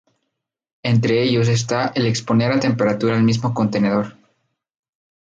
Entre ellos está el exponer a temperatura el mismo contenedor.